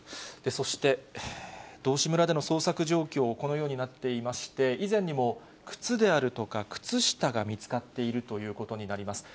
そして、道志村での捜索状況、このようになっていまして、以前にも靴であるとか靴下が見つかっているということになります。